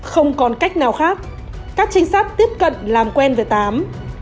không còn cách nào khác các trinh sát tiếp cận làm quen với tám